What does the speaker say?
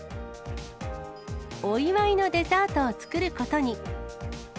お祝いのデザートを作ることに。